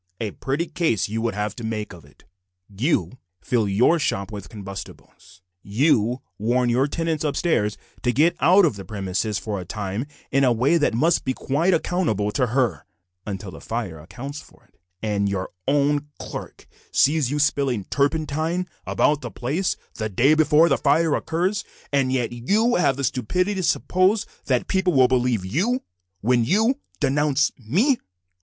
"A pretty case you would have to make out of it. You fill your shop with combustibles, you warn your tenant upstairs to get out of the premises for a time in a way that must be quite unaccountable to her (until the fire accounts for it), and your own clerk sees you spilling turpentine about the place the day before the fire occurs, and yet you have the stupidity to suppose that people will believe you when you denounce me!"